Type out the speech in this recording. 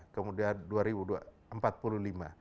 dua ribu tiga puluh dua kemudian dua ribu empat puluh lima